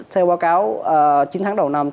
theo báo cáo chín tháng đầu năm